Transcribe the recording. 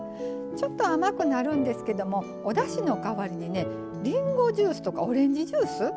ちょっと甘くなるんですけどもおだしの代わりにねりんごジュースとかオレンジジュース